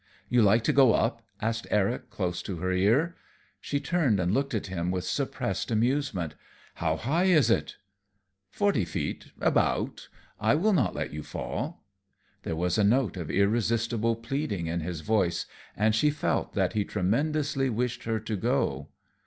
"You like to go up?" asked Eric, close to her ear. She turned and looked at him with suppressed amusement. "How high is it?" "Forty feet, about. I not let you fall." There was a note of irresistible pleading in his voice, and she felt that he tremendously wished her to go.